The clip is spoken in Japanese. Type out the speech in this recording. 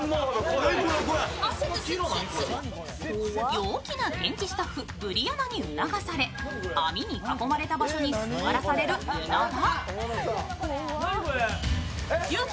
陽気な現地スタッフ、ブリアナに促され網に囲まれた場所に座らされる稲田。